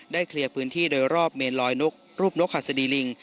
ได้เคลียร์พื้นที่เรียกองโรยเมนลอยนุ๊กรูปนกหัสดีลิง